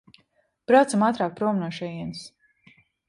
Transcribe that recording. Braucam ātrāk prom no šejienes!